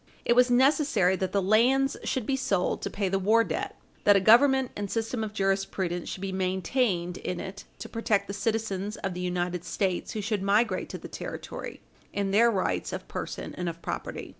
It was necessary that the lands should be sold to pay the war debt; that a Government and system of jurisprudence should be maintained in it to protect the citizens of the United States who should migrate to the territory, in their rights of person and of property.